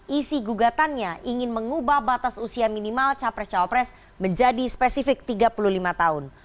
isi gugatannya ingin mengubah batas usia minimal capres cawapres menjadi spesifik tiga puluh lima tahun